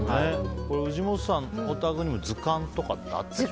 藤本さんのお宅にも図鑑とかってあったりしますか？